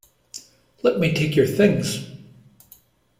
Let me take your things.